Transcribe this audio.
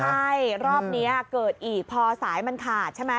ใช่รอบนี้เกิดอีกพอสายมันขาดใช่ไหม